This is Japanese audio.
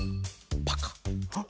パカッ。